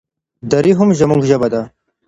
دري هم زموږ ژبه ده.